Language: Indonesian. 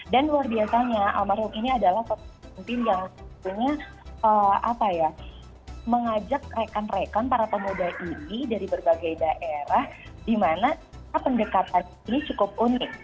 dan luar biasanya almarhum ini adalah pemimpin yang mengajak rekan rekan para pemuda ini dari berbagai daerah di mana pendekatan ini cukup unik